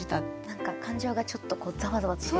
何か感情がちょっとザワザワしてる。